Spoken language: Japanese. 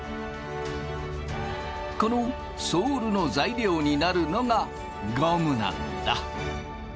このソールの材料になるのがゴムなんだ。